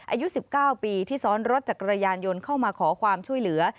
อายุ๑๙ปีที่ซ้อนรถจักรยานยนต์เข้ามาขอความช่วยเหลือ